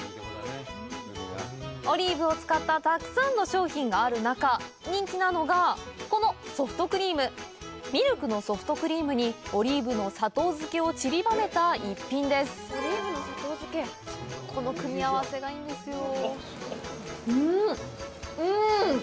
オリーブを使ったたくさんの商品がある中人気なのがこのソフトクリームミルクのソフトクリームにオリーブの砂糖漬けをちりばめた一品ですうんうん！